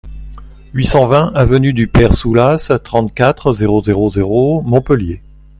huit cent vingt avenue du Père Soulas, trente-quatre, zéro zéro zéro, Montpellier